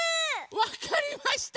わかりました。